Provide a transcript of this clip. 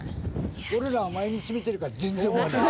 俺らは毎日見てるから全然思わない。